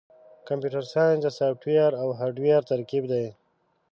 کمپیوټر ساینس د سافټویر او هارډویر ترکیب دی.